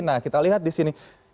nah kita lihat disini